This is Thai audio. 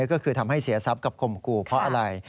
ก็คือทำให้เสียทรัพย์กับข่มขู่เพราะอะไร